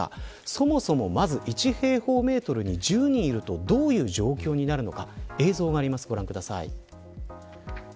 そもそも、１平方メートルに１０人いるとどういう状況になるのか映像があります。